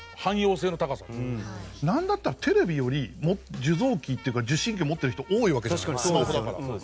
なんだったらテレビより受像機っていうか受信機を持ってる人多いわけじゃないスマホだから。